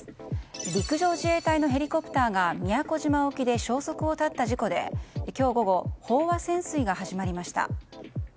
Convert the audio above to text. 陸上自衛隊のヘリコプターが宮古島沖で消息を絶った事故で、今日午後飽和潜水が始まりました。